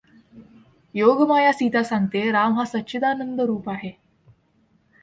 योगमाया सीता सांगते राम हा सच्चिदानंदरूप आहे.